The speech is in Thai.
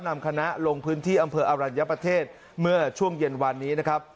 นำคณะลงพื้นที่อำเภออรัญญประเทศเมื่อช่วงเย็นวันนี้นะครับ